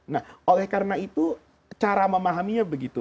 nah oleh karena itu cara memahaminya begitu